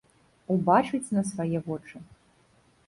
Убачыць на свае вочы.